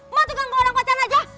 mati kan gak orang pacar aja